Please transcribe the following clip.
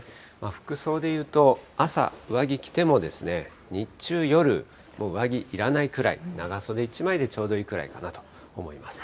服装で言うと、朝、上着着ても、日中、夜、もう上着いらないくらい、長袖１枚でちょうどいいくらいかなと思います。